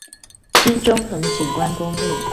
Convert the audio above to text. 新中橫景觀公路